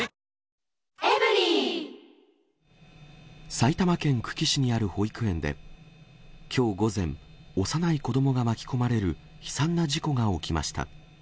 埼玉県久喜市にある保育園で、きょう午前、幼い子どもが巻き込まれる悲惨な事故が起きました。